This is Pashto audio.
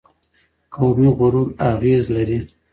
قومي غرور اغېز لري.